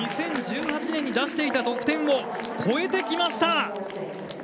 ２０１８年に出していた得点を超えてきました！